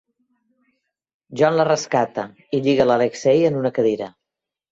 John la rescata, i lliga Alexei en una cadira.